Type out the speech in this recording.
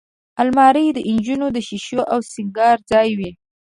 الماري د نجونو د شیشو او سینګار ځای وي